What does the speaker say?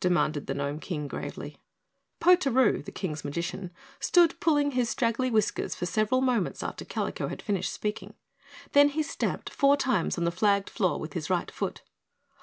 demanded the Gnome King gravely. Potaroo, the King's magician, stood pulling his straggly whiskers for several moments after Kalico had finished speaking, then he stamped four times on the flagged floor with his right foot.